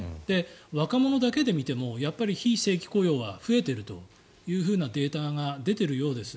若者だけで見てもやっぱり非正規雇用が増えているというデータが出ているようです。